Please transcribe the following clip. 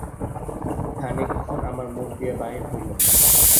খানিকক্ষণ আমার মুখ দিয়া বাহির হইল না।